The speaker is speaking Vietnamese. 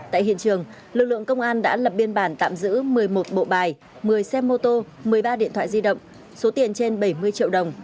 tại hiện trường lực lượng công an đã lập biên bản tạm giữ một mươi một bộ bài một mươi xe mô tô một mươi ba điện thoại di động số tiền trên bảy mươi triệu đồng